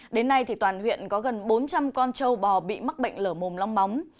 đến nay toàn huyện có gần bốn trăm linh con trâu bò bị mắc bệnh lở mồm long móng